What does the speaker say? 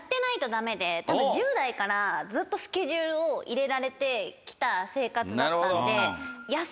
多分１０代からずっとスケジュールを入れられて来た生活だったんで。